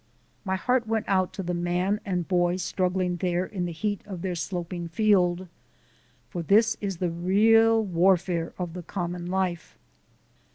My heart went out to the man and boy struggling there in the heat of their field. For this is the real warfare of the common life.